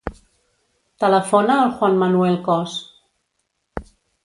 Telefona al Juan manuel Cos.